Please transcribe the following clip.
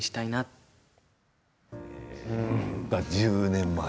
１０年前。